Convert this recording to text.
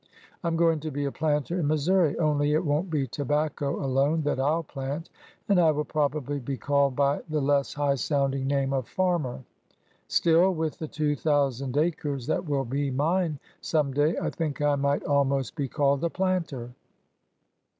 I 'm going to be a planter in Missouri, only it won't be tobacco alone that I 'll plant, and I will probably be called by the less high sounding name of farmer. Still, with the two thousand acres that will be mine some day, I think I might almost be called a planter."